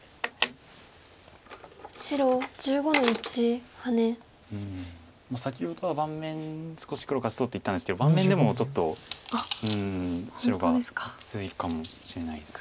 うん先ほどは盤面少し黒勝ちそうって言ったんですけど盤面でもちょっとうん白が厚いかもしれないです。